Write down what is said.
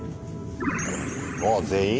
あっ全員？